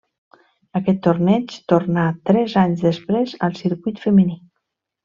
Aquest torneig tornà tres anys després al circuit femení.